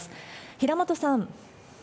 平本さん。